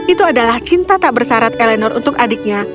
itu adalah cinta tak bersarat elenor untuk adiknya